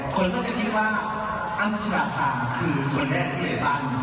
คนก็จะคิดว่าอ้าวประชาภาคคือคนแรกผู้เจ็บบ้าน